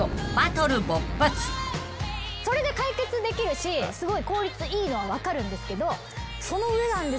それで解決できるしすごい効率いいのは分かるんですけど。